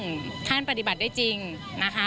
จะเอามาปฏิบัติได้จริงนะคะ